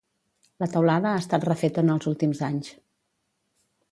La teulada ha estat refeta en els últims anys.